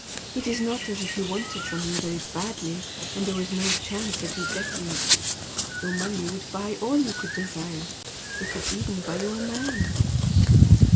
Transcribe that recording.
It is not as if you wanted something very badly and there was no chance of your getting it, your money would buy all you could desire. It would even buy you a man!"